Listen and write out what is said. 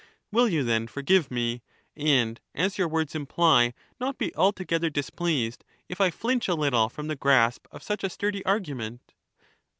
Will you then forgive me, and, as your words imply, not be altogether displeased if I flinch a little from the grasp of such a sturdy argument